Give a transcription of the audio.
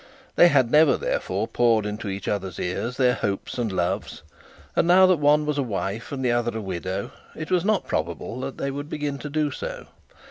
They had never, therefore, poured into each other's ears their hopes and loves; and now that one was a wife and the other a widow, it was not probable that they would begin to do so.